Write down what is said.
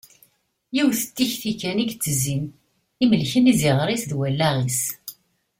Yiwet n tekti kan i yettezin i imelken iziɣer-is d wallaɣ-is.